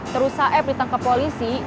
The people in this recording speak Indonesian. terus saeb ditangkap polisi